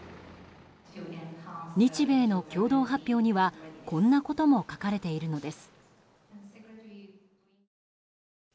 日米の共同発表にはこんなことも書かれているのです。